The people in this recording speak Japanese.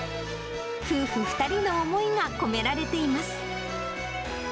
夫婦２人の思いが込められています。